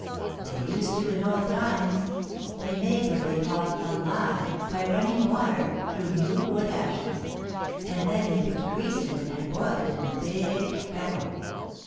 They used to in old times. They made what they called a lye by running water through new wood ashes, and then they put grease in it and boiled it in a big kettle.